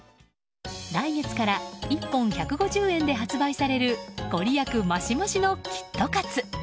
来月から１本１５０円で発売されるご利益マシマシのキットカツ。